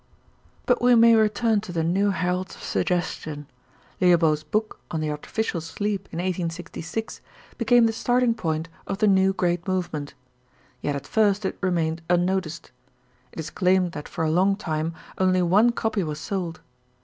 But we may return to the new heralds of suggestion. Liébeault's book on the artificial sleep in 1866 became the starting point of the new great movement. Yet at first it remained unnoticed. It is claimed that for a long time only one copy was sold.